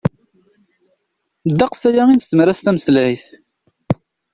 Ddeqs aya i nesemras tameslayt.